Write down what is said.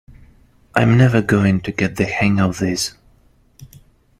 I’m never going to get the hang of this.